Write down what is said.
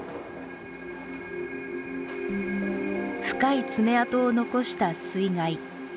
深い爪痕を残した水害。